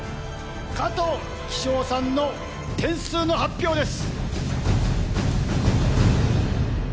加藤煕章さんの点数の発表です！